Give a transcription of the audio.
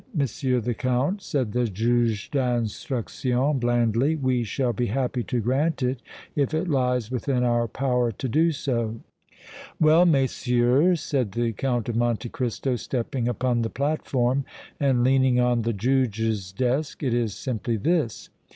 the Count," said the Juge d' Instruction, blandly. "We shall be happy to grant it if it lies within our power to do so." "Well, messieurs," said the Count of Monte Cristo, stepping upon the platform and leaning on the Juge's desk, "it is simply this.